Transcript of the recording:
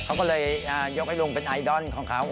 เขาก็เลยยกให้ลุงเป็นไอดอลของเขา